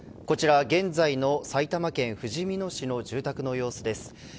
こちらは現在の埼玉県ふじみ野市の住宅の様子です。